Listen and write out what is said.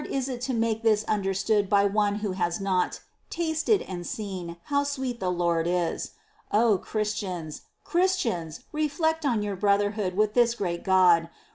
865). EXCLAMATIONS. lOI by one who has not " tasted and seen * how sweet the Lord is." O Christians, Christians, reflect on your brotherhood with this great God